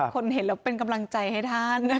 เห็นแล้วเป็นกำลังใจให้ท่าน